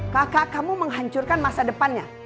kakak kamu menghancurkan masa depannya